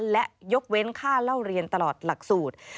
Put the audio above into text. และยกเว้นค่าเล่าเรียนตลอดหลักสูตร